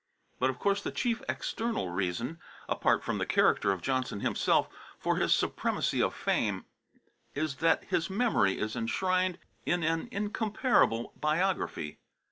But of course the chief external reason, apart from the character of Johnson himself, for his supremacy of fame, is that his memory is enshrined in an incomparable biography.